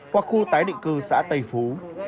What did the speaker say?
hoặc khu tái định cư xã tây phú